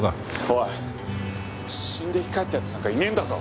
「おい死んで生き返った奴なんかいねえんだぞ！」